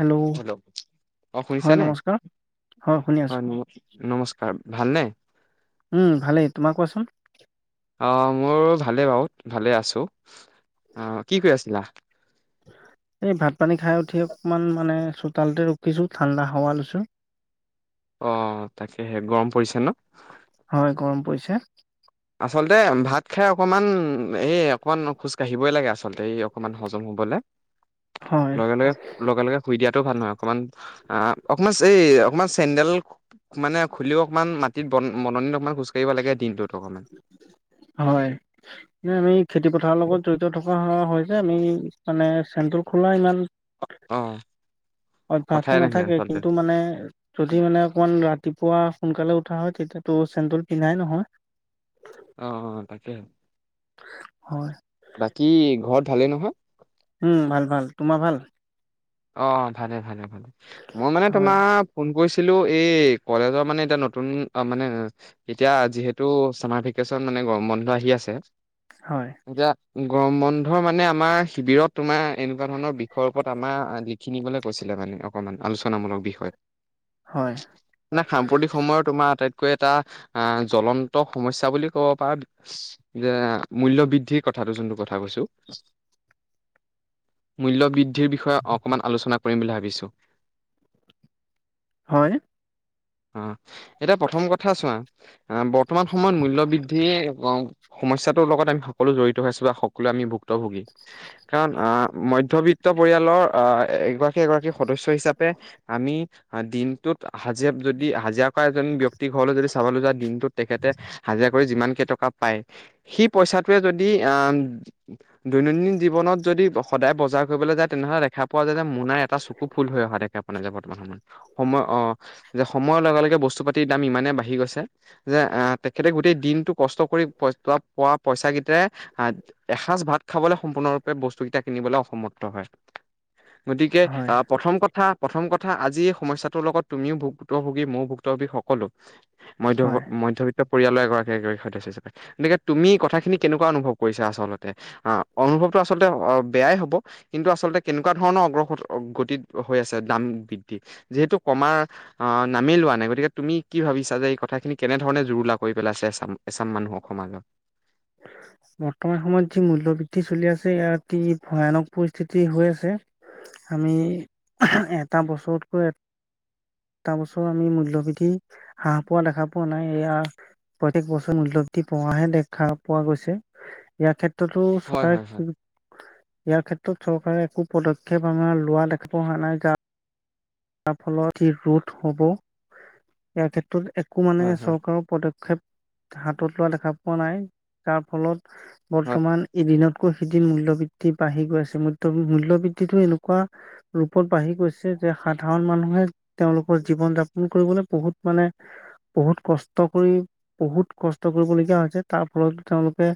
Hello অ হয় শুনিছানে নমস্কাৰ। হয় শুনি আছোঁ হয়, নমস্কাৰ ভালনে? উম, ভালেই তোমাৰ কোৱাচোন? অ', মোৰ ভালে বাৰু ভালে আছো অ, কি কৰি আছিলা? এই ভাত পানী খাই উঠি অকমান মানে চোতালতে ৰখিছোঁ ঠাণ্ডা হাৱা লৈছোঁ। আহ তাকেহে গৰম পৰিছে ন'। হয় গৰম পৰিছে আচলতে ভাত খাই অকমান এই অকনমান খোজ কাঢ়িবই লাগে আচলতে এই অকনমান হজম হ'বলে। হয় লগে লগে লগে লগে শুই দিয়া টো ভাল নহয় অকণমান অ', অকমান এই অকমান চেণ্ডেল মানে খুলিও অকমান মাটিত বন বননিত অকমান খোজ কঢ়িব লাগে দিনটোত অকমান। হয়, আমি খেতি পথাৰৰ লগত জড়িত থকা হৈ যে আমি মানে চেনটো খোলা ইমান অ অভ্যাসটো কথাই নাহে নাথাকে আচলতে কিন্তু মানে যদি মানে অকমান ৰাতিপুৱা সোনকালে উঠা হয় তেতিয়াতো চেনডুল পিন্ধাই নহয়। অ অ তাকে হয়, বাকী ঘৰত ভালেই নহয়? উম, ভাল ভাল তোমাৰ ভাল? অ', ভালে ভালে ভালে, মই মানে হয় তোমাৰ ফোন কৰিছো এই কলেজৰ মানে এতিয়া নতুন মানে এতিয়া যিহেতু চামাৰ ভেকেচন মানে গৰম বন্ধ আহি আছে, হয় এতিয়া গৰম বন্ধ মানে আমাৰ শিবিৰত তোমাৰ এনেকুৱা ধৰণৰ বিষয়ৰ ওপৰত আমাৰ লিখিনিবলৈ কৈছিলে মানে অকণমান আলোচনামূলক বিষয়। হয় নে সাম্প্ৰতিক সময়ৰ তোমাৰ আটাইত কৈ এটা আহ জ্বলন্ত সমস্যা বুলি ক'ব পাৰ যে মূল্যবৃদ্ধিৰ কথা নটো কথা কৈছো, মূল্যবৃদ্ধিৰ বিষয়ে অকমান আলোচনা কৰিম বুলি ভাবিছো। হয়। অ', এতিয়া প্ৰথম কথা চোৱা বৰ্তমান সময়ত মূল্য বৃদ্ধিয় সমস্যাটোৰ লগত আমি সকলো জড়িত হৈ আছো বা সকলোৱে আমি ভুক্তভোগী, কাৰণ আহ মধ্যবিত্ত পৰিয়ালৰ আহ এগৰাকী এগৰাকী সদস্য হিচাপে আমি দিনটোত হাজোব যদি হাজিৰা থকা এজন ব্যক্তি ঘৰলৈ যদি চাবলৈ যোৱা দিনটোত তেখেতে হাজিৰা কৰি যিমানকেইটকা পায়, সেই পইচা যদি দৈনন্দিন জীৱনত যদি সদায় বজাৰ কৰিবলৈ যায় তেনেহ'লে কোৱা য যে মোনাই এটা চকু ফুল হৈ অহা দোকে আপোনে যে বৰ্তমান সময়ত সময় অ', যে সময়ৰ লগে লগে বস্তু বস্তু পাতিৰ দাম ইমানে বাঢ়ি গৈছে, যে তেখেতে গোটেই দিনতো কষ্ট কৰি পই পোৱা পইচাকিটাই এসাঁজ ভাত খাবলে সম্পূৰ্ণৰূপে বস্তু কেইটা কিনিবলৈ অসমৰ্থ হয়। গতিকে হয় আহ প্ৰথম কথা প্ৰথম কথা আজি এই সমস্যাটোৰ লগত তুমিও ভুক্তভোগী ময়ো ভুক্তভোগী সকলো মধ্য হয় মধ্যবিত্ত পৰিয়ালৰ এগৰাকী সদস্য হিচাপে, গতিকে তুমি কথাখিনি কেনেকুৱা অনুভৱ কৰিছা আচলতে? আহ অনুভৱটো আচলতে অ', বেয়াই হ'ব, কিন্তু আচলতে কেনেকুৱাধৰণৰ অগ্ৰগতিত হৈ আছে দাম বৃদ্ধি, যিহেতু কমাৰ আহ নামেই হোৱা নাই, গতিকে তুমি কি ভাবিছা যে এই কথাখিনি কেনেধৰণে জুৰুলা কৰি পেলাইছে এচাম এচাম মানুহক সমাজত [inaudible] বৰ্তমান সময়ত যি মূল্য বৃদ্ধি চলি আছে এয়া অতি ভয়ানক পৰিস্থিতি হৈ আছে আমি এটা বছৰতকৈ টা বছৰ আমি মূল্যবৃদ্ধি হ্ৰাস পোৱা দেখা পোৱা নাই, এয়া প্ৰত্যেক বছৰ মূল্যবৃদ্ধি পোৱাহে দেখা পোৱা গৈছে, ইয়াৰ ক্ষেত্ৰত ক্ষেত্ৰতো হয় চৰকাৰে হয় হয় ইয়াৰ ক্ষেত্ৰত চ একো পদক্ষেপ আমাৰ লোৱা দেখা পোৱা হোৱা নাই য যাৰ ফলত স ৰোধ হ'ব, ইয়াৰ ক্ষেত্ৰত ত একো মানে হয় হয় চৰকাৰৰ পদক্ষেপ হাতত লোৱা দেখা পোৱা, নাই যাৰফলত হয় বৰ্তমান ইদিনত সিদিন মূল্য বৃদ্ধি বাঢ়ি গৈ আছে ম্ মূল্য বৃদ্ধিটো এনেকুৱা ৰূপত বাঢ়ি গৈছে যে সাধাৰণ মানুহে তেওঁলোকৰ জীৱন যাপন কৰিবলৈ বহুত মানে বহুত কষ্ট কৰি বহুত কষ্ট কৰিবলগীয়া হৈছে তাৰ ফলত তেওঁলোকে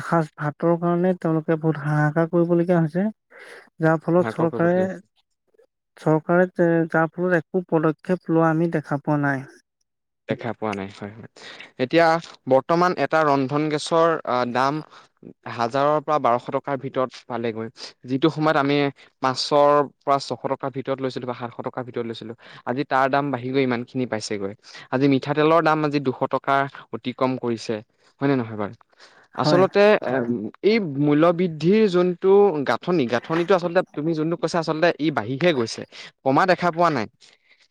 এসাঁজ ভাতৰ কাৰণে তেওঁলোকে বহুত হাহাকাৰ কৰিবলগীয়া হৈছে। যাৰ ফলত ভাগ কৰিব চৰকাৰে লাগিব চৰকাৰে তাৰ ফলত একো পদক্ষেপ লোৱা আমি দেখা পোৱা নাই। দেখা পোৱা নাই হয় এতিয়া বৰ্তমান এটা ৰন্ধন গেছৰ দাম হাজাৰৰ পৰা বাৰশ টকাৰ ভিতৰত পালেগৈ যিটো সময়ত আমি পাঁচশ প ছশ টকাৰ ভিতৰত লৈছিলো বা সাতশ টকাৰ ভিতৰত লৈছিলো, আজি তাৰ দাম বাঢ়ি গৈ ইমান খিনি পাইছেগৈ। আজি মিঠাতেলৰ দাম আজি দুশ টকা অতিক্ৰম কৰিছে হয় নে নহয়, বাৰু হয় আচলতে এ এই মূল্যবৃদ্ধিৰ যোনটো গাঁথনি গাঁথনিটো আচলতে তুমি যোনটো কৈছা আচলতে ই বাঢ়িহে গৈছে কমা দেখা পোৱা নাই,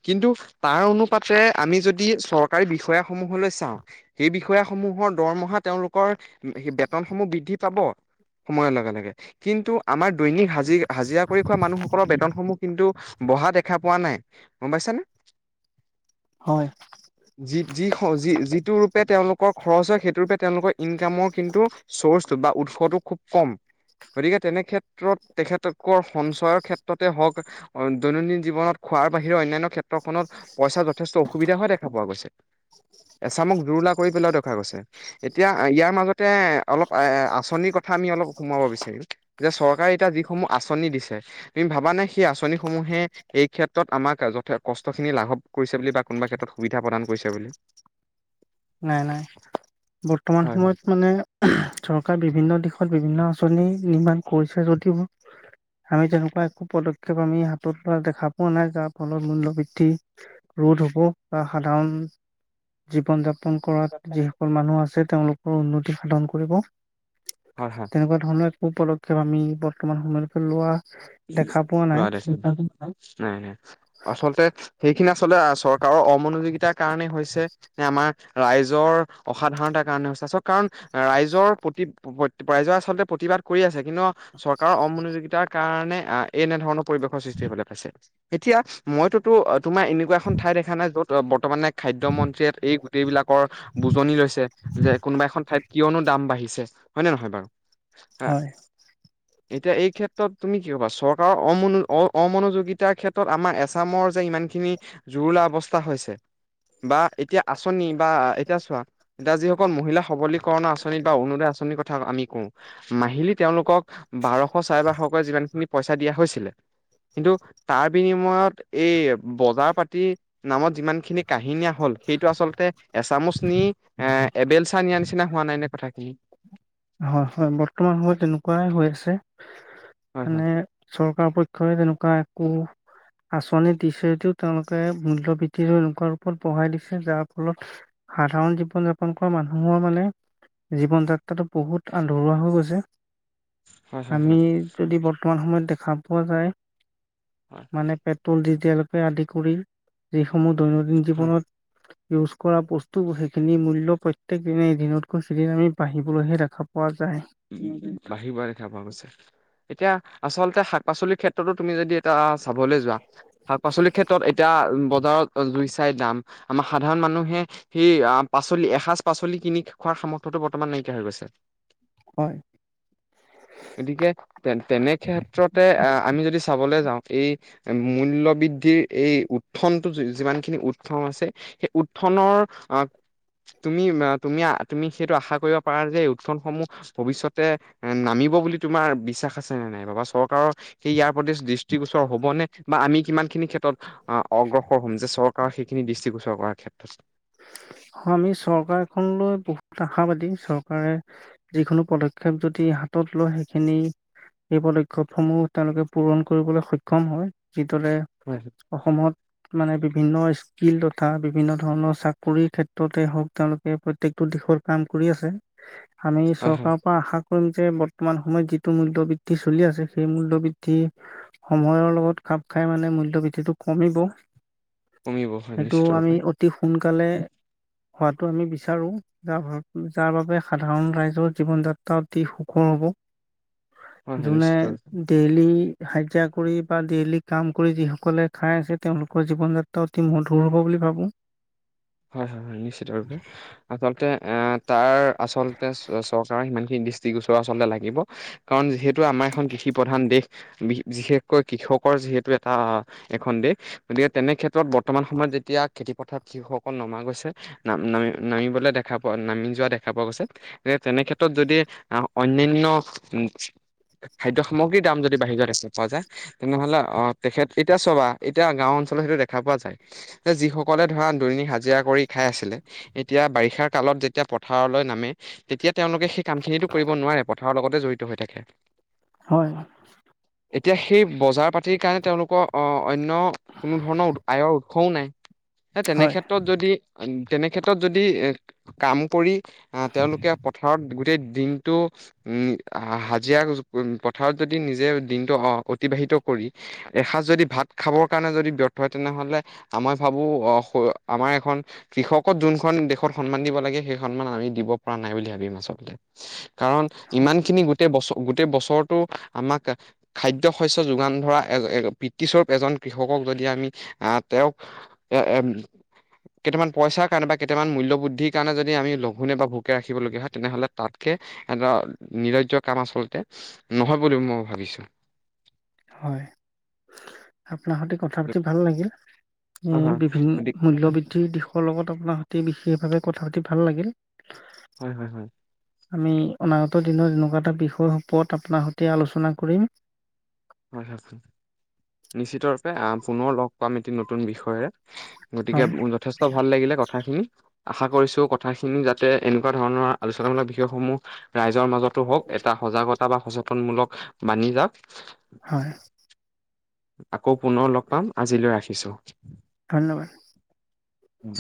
কিন্তু তাৰ অনুপাতে আমি যদি চৰকাৰী বিষয়াসমূহলৈ চাওঁ সেই বিষয়াসমূহৰ দৰমহা তেওঁলোকৰ স বেতনসমূহ বৃদ্ধি পাব সময়ৰ লগে লগে কিন্তু আমাৰ দৈনিক হাজি হাজিৰা কৰি খোৱা মানুহসকলৰ বেতনসমূহ কিন্তু বহা দেখা পোৱা নাই গম পাইছানে হয় যি যি যি যিটো ৰূপে তেওঁলোক খৰচ হয় সেইটোৰূপে তেওঁলোকৰ ইনকামৰ কিন্তু চ'ৰ্চটো বা উৎসটো খুব কম। গতিকে তেনে ক্ষেত্ৰত তেখেতৰ সঞ্চয়ৰ ক্ষেত্ৰতে হওঁক দৈনন্দিন জীৱনত খোৱাৰ বাহিৰে অন্যান্য ক্ষেত্ৰখনত পইচা যথেষ্ট অসুবিধা হ দেখা পোৱা গৈছে। এছামক দুৰুলা কৰি পেলাইও দেখুৱা গৈছে এতিয়া ইয়াৰ মাজতে অলপ আঁচনি কথা আমি অলপ সোমাব বিচাৰিম যে চৰকাৰে এতিয়া যিসমূহ আঁচনি দিছে তুমি ভাবা নে সেই আঁচনিসমূহ মানুহে এই ক্ষেত্ৰত আমাক যথে কষ্ট খিনি লাভৱ কৰিছে বুলি বা কোনোবা ক্ষেত্ৰত সুবিধা প্ৰদান কৰিছে বুলি নাই নাই বৰ্তমান হয় সময়ত মানে চৰকাৰ বিভিন্ন দিশত বিভিন্ন আঁচনি নিৰ্মান কৰিছে যদিও আমি তেনেকুৱা একো পদক্ষেপ আমি হাতত লোৱা দেখা পোৱা নাই যাৰ ফলত মূল্য বৃদ্ধি ৰোধ হ'ব বা সাধাৰণ জীৱন যাপন ন কৰাত যিসকল মানুহ আছে তেওঁলোকৰ উন্নতি সাধন কৰিব হয় তেনেকুৱা ধৰণৰ একো পদক্ষেপ আমি বৰ্তমান সময়লৈকে লোৱা দেখা পোৱা নাই নাই আচলতে সেইখিনি আচলতে চৰকাৰৰ অমনোযোগিতাৰ কাৰণে হৈছে যে আমাৰ ৰাইজৰ অসাধাৰণতাৰ কাৰণে হৈছে চ কাৰণ ৰাইজৰ প্ৰতি ৰাইজে আচলতে প্ৰতিবাদ কৰি আছে কিন্তু চৰকাৰৰ অমনোযোগিতাৰ কাৰণে এনেধৰণৰ পৰিৱেশৰ সৃষ্টি হলে পাইছে এতিয়া মইতোতো তোমাৰ এনেকুৱা এখন ঠাইত দেখা নাই য'ত বৰ্তমানে খাদ্য মন্ত্ৰীয়ে এই গোটেইবিলাকৰ বুজনি লৈছে যে কোনোবা এখন ঠাইত কিয়নো দাম বাঢ়িছে হয় নে নহয় বাৰু। হয়। এতিয়া এই ক্ষেত্ৰত ত তুমি কি ক'বা চৰকাৰৰ অ অমনোযোগিতাৰ ক্ষেত্ৰত আমাৰ এছামৰ যে ইমান খিনি জুৰুলা অৱস্থা হৈছে। বা এতিয়া আঁচনি বা এতিয়া চোৱা এতিয়া যিসকল মহিলা সবলী কৰণ আঁচনিত বা অৰুদোয় আঁচনিৰ কথা আমি কওঁ, মাহিলী তেওঁলোকক বাৰশ চাৰে বাৰশ পৰা যিমানখিনি পইচা দিয়া হৈছিলে কিন্তু তাৰ বিনিময়ত এই বজাৰ-পাতি নামত যিমান খিনি কাহিনী আ হল সেইটো আচলতে এচামুচ নি এ এবেলচা নিয়া নিচিনা হোৱা নাই নে কথাখিনি হয়, হয় বৰ্তমান সময়ত তেনেকুৱাই হৈ আছে। হয় হয় মানে চৰকাৰ পক্ষই তেনেকুৱা একো [inaudible] আঁচনি দিছেটো তেওঁলোকে মূল্য বৃদ্ধিৰো লোকৰ ওপৰত বঢ়াই দিছে যাৰ ফলত সাধাৰণ জীৱন-যাপন কৰা মানুহৰ মানে জীৱন যাত্ৰাটো বহুত আধৰুৱা হৈ গৈছে, হয় হয় হয় আমি যদি বৰ্তমান সময়ত দেখ খা পোৱা যায় হয় মানে পেট্ৰল ডিজেলকে আদি কৰি যিসমূহ- দৈনন্দিন হয় জীৱনত- ইউজ কৰা বস্তুবোৰ সেইখিনি মূল্য প্ৰত্যেক দিনে দিনতকৈ আমি বাঢ়িবলৈহে ৰাখোঁ খ পোৱা যায়। বাঢ়ি বাঢ়ি দেখা পোৱা গৈছে এতিয়া আচলতে শাক- পাচলিৰ ক্ষেত্ৰতো তুমি যদি এয়া চাবলৈ যোৱা শাক-পাচলিৰ ক্ষেত্ৰত এতিয়া বজাৰত জুই চাই দাম আমাৰ সাধাৰণ মানুহে সেই পাচলি এসাঁজ পাচলি কিনি খোৱাৰ সামৰ্থতো বৰ্তমান কীয়া হৈ গৈছে। হয়। গতিকে তে তেনে ক্ষেত্ৰতে আহ- আমি যদি চাবলৈ যাওঁ এই মূল্য বৃদ্ধিৰ এই উত্থনটো যিমানখিনি উতন আছে সেই উত্থানৰ - তুমি তুমি তুমি সেইটো আশা কৰিব পাৰা যে এই উত্থানসমূহ - ভৱিষ্যতে এ নামিব বুলি তোমাৰ বিশ্বাস আছে নে নাইবা চৰকাৰৰ সেই ইয়াৰ প্ৰতি দৃষ্টিগোচৰ - হ'বনে বা আমি কিমান খিনি ক্ষেত্ৰত অগ্ৰসৰ হম যে চৰকাৰৰ সেইখিনি দৃষ্টিগোচৰ কৰাৰ ক্ষেত্ৰত। [inaudible] অ আমি চৰকাৰখন লৈ বহুত আশাবাদী চৰকাৰে যিকোনো পদক্ষেপ যদি- হাতত লোৱা সেইখিনি এই পদক্ষেপ সমূহ তেওঁলোকে পূৰণ কৰিবলৈ সক্ষম হয়। যিদৰে হয় হয় অসমত মানে বিভিন্ন স্কিল তথা বিভিন্ন ধৰণৰ চাক - কৰি ক্ষেত্ৰতে হওক তেওঁলোকে প্ৰত্যেকটো দিশৰ কাম কৰি আছে। আমি হয় হয় চৰকাৰৰ পৰা আশা কৰিম যে বৰ্তমান- সময়ত যিটো মূল্য বৃদ্ধি চলি আছে সেই মূল্য বৃদ্ধি সময়ৰ লগত খাপ খাই মানে মূল্য এইটো টো কমিব কমিব হয় এইটো নিশ্চিত আমি ৰূপে অতি সোনকালে- হোৱাটো আমি বিচাৰো যাৰ যাৰ বাবে সাধাৰণ ৰাইজৰ জীৱন যাত্ৰা অতি সুখৰ হ'ব। [inaudible] হয় জোনে নিশ্চিত ৰূপে ডেইলী হাজিৰা কৰি বা ডেইলি কাম কৰি যিসকলে খাই আছে তেওঁলোকৰ জীৱন যাত্ৰা অতি মধুৰ হব বুলি- ভাবো। হয়, হয়, হয় নিশ্চিত ৰপে, আচলতে তাৰ আচলতে চ চৰকাৰে সিমানখিনি- টি গোচৰ আচলতে লাগিব কাৰণ যিহেতু আমাৰ এখন কৃষি প্ৰধান দেশ বিশেষকৈ কৃষকৰ- যিহেতু এটা এখন দেশ গতিকে তেনে ক্ষেত্ৰত বৰ্তমান সময়ত যেতিয়া খেতি পথাৰ কি হব - অকল নমা গৈছে নাম নামি নামিবলৈ দেখা পোৱা নামি যোৱা দেখা পোৱা গৈছে যে তেনে ক্ষেত্ৰত যদি অন্যান্য উ খাদ্য সামগ্ৰীৰ দাম যদি বাঢ়ি যায় পোৱা যায় তেনেহলে অ তেখেত এতিয়া চবা এতিয়া গাও অঞ্চলত সেইটো দেখা পোৱা যায় যে যি সকলে ধৰা [unintelligible] জৰা কৰি খাই আছিলে এতিয়া বাৰিষাৰ কালত যেতিয়া পথাৰলৈ নামে তেতিয়া তেওঁলোকে সেই কামখিনিত কৰিব নোৱাৰে পথাৰৰ লগতে জড়িত হৈ থাকে হয় এতিয়া সেই বজাৰ পাতিৰ কাৰণে তেওঁলোকৰ আহ অন্য কোনো ধৰণৰ আয়ৰ উৎসও নাই হয় তেনে কেত্ৰত যদি এ কাম কৰি আহ তেওঁলোকে পথাৰত গোটেই দিনটো উ হাজিৰা পথাৰত যদি নিজে দিনটো অ অতিবাহিত এসাঁজ যদি ভাত খাবৰ কাৰণে যদি ব্যৰ্থ হয় তেনেহলে আমই ভাবো আহ আমাৰ এখন কৃষকত যোনখন দেশত সন্মান দিব লাগে সেই সন্মান আমি দিব পৰা নাই বুলি ভাবিম আচলতে কাৰণ ইমান হয় খিনি গোটেই বস গোটেই বছৰতো আমাক খাদ্য শস্য যোগান ধৰা এ এ বৃটিছৰ এজন কৃষকক যদি আমি আহ তেওঁক এ কেইটামান পইচাৰ কাৰণে বা কেইটামান মূল্যবুদ্ধিৰ কাৰণে যদি আমি লঘোনে বা ভোকে ৰাখিবলগীয়া হয় তেনেহ'লে তাতকে এটা নিৰজ্য কাম আচলতে নহয় বুলি মই ভাবিছো হয় আপোনাৰ সতে কথা পাতি ভাল লাগিল এ হয় হয় বিভিন্ন গতিকে মূল্য বৃদ্ধিৰ দিশৰ লগত আপোনাৰ সতে বিশ বিশেষভাৱে কথা পাতি ভাল লাগিল হয় হয় হয় আমি অনাগত দিনৰত এনেকুৱা এটা বিষয় ওপৰত আপোনাৰ সৈতে আলোচনা কৰিম হয়োন নিশ্চিত ৰূপে পুনৰ লগ পাম এটি নতুন বিষয়ে গতিকে হয় যথেষ্ট ভাল লাগিলে কথাখিনি আশা কৰিছো কথাখিনি যাতে এনেকুৱা ধৰণৰ আলোচনামূলক বিষয়সমূহ ৰাইজৰ মাজত হওক এটা সজাগতা বা সচেতন মূলক বাানি যও হয় আকৌ পুনৰ লগ পাম আজিলৈ ৰাখিছো ধন্যবাদ উম